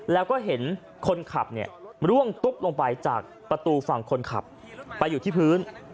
แล้วก็เห็นคนขับร่วงตุ๊บลงไปจากประตูฝั่งคนขับไปอยู่ที่พื้น